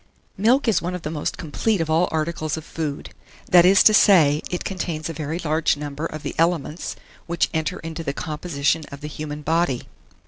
MILK is one of the most complete of all articles of food: that is to say, it contains a very large number of the elements which enter into the composition of the human body.